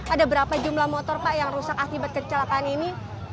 ada berapa jumlah motor pak yang rusak akibat kecelakaan ini